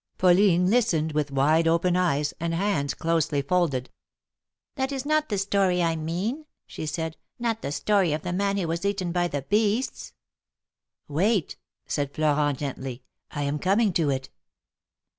Pauline listened, with wide open eyes, and hands closely folded. " That is not the story I mean," she said, not the story of the man who was eaten by the beasts." " Wait," said Florent, gently, I am coming to it."